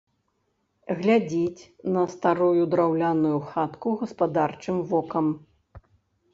Глядзіць на старую драўляную хатку гаспадарчым вокам.